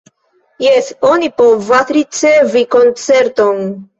Jes, oni povas ricevi koncerton.